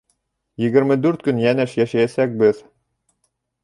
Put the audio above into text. Егерме дүрт көн йәнәш йәшәйәсәкбеҙ.